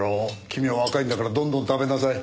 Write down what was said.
君は若いんだからどんどん食べなさい。